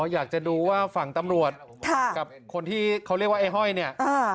อยากจะดูว่าฝั่งตำรวจกับคนที่เขาเรียกว่าไอ้ห้อยเนี่ย